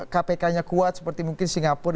kpk nya kuat seperti mungkin singapura